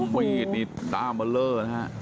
ใบนี้ต้ามาเล่อแล้วครับ